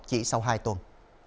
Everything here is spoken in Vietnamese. chỉ sau hai tuần